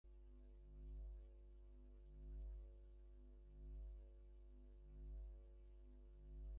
অনেকেই খেত থেকে শসা তোলেননি শ্রমিক খরচে পুষিয়ে না ওঠার কারণে।